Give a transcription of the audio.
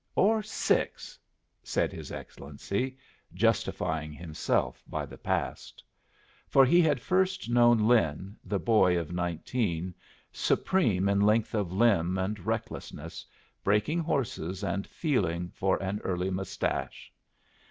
Or six," said his Excellency, justifying himself by the past. For he had first known Lin, the boy of nineteen, supreme in length of limb and recklessness, breaking horses and feeling for an early mustache.